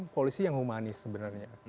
polisi yang humanis sebenarnya